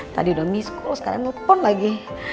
tadi udah miss call sekarang nelfon lagi